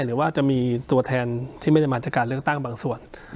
หรือว่าจะมีตัวแทนที่ไม่ได้มาจากการเลือกตั้งบางส่วน